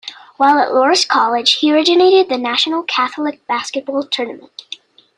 While at Loras College he originated the National Catholic Basketball Tournament.